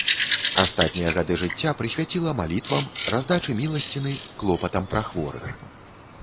Астатнія гады жыцця прысвяціла малітвам, раздачы міласціны, клопатам пра хворых.